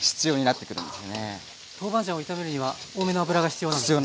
トーバンジャンを炒めるには多めの油が必要なんですね。